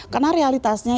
karena realitasnya itu